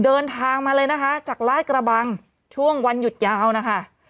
เดินทางมาเลยนะคะจากลาดกระบังช่วงวันหยุดยาวนะคะ